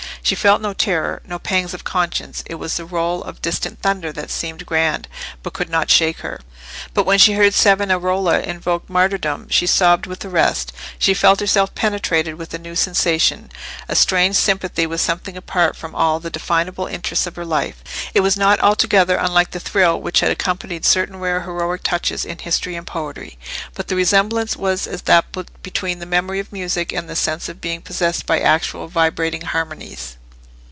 She felt no terror, no pangs of conscience: it was the roll of distant thunder, that seemed grand, but could not shake her. But when she heard Savonarola invoke martyrdom, she sobbed with the rest: she felt herself penetrated with a new sensation—a strange sympathy with something apart from all the definable interests of her life. It was not altogether unlike the thrill which had accompanied certain rare heroic touches in history and poetry; but the resemblance was as that between the memory of music, and the sense of being possessed by actual vibrating harmonies.